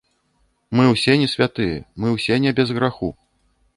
Мы ўсе не святыя, мы ўсё не без граху.